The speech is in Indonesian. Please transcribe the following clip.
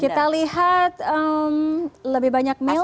kita lihat lebih banyak meal